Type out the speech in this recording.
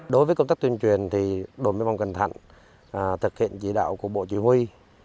đối với công tác tuyên truyền thì đồn biên phòng cần thạnh thực hiện chỉ đạo của bộ chỉ huy